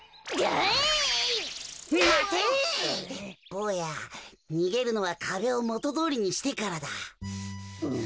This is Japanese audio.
ぼうやにげるのはかべをもとどおりにしてからだ。